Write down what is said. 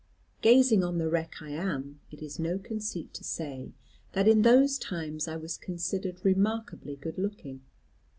Gazing on the wreck I am, it is no conceit to say that in those times I was considered remarkably good looking.